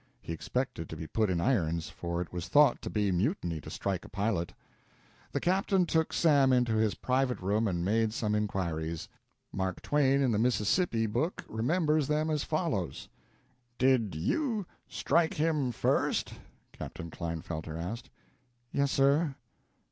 He expected to be put in irons, for it was thought to be mutiny to strike a pilot. The captain took Sam into his private room and made some inquiries. Mark Twain, in the "Mississippi" boot remembers them as follows: "Did you strike him first?" Captain Klinefelter asked. "Yes, sir."